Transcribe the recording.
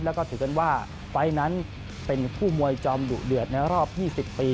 แล้วก็ถือกันว่าไฟล์นั้นเป็นคู่มวยจอมดุเดือดในรอบ๒๐ปี